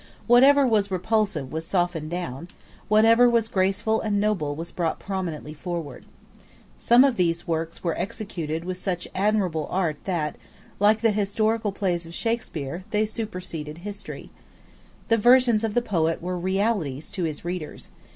Whatever was repulsive was softened down: whatever was graceful and noble was brought prominently forward. Some of these works were executed with such admirable art that, like the historical plays of Shakspeare, they superseded history. The visions of the poet were realities to his readers.